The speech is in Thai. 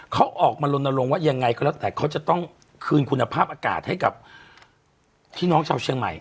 เขาออกมาลนลงว่าอย่างไรเค้าต้องคืนคุณภาพอากาศให้ที่น้องชาวเชียงใหม่